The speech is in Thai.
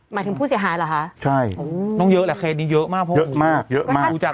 หมายถึงผู้เสียหายแหละค่ะน้องเยอะแหละเคดนี้เยอะมากเพราะ